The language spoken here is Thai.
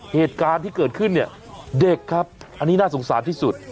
เหตุการณ์ที่เกิดขึ้นเนี่ยเด็กครับอันนี้น่าสงสารที่สุด